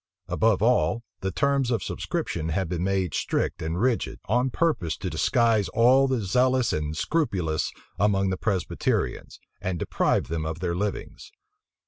Above all, the terms of subscription had been made strict and rigid, on purpose to disgust all the zealous and scrupulous among the Presbyterians, and deprive them of their livings.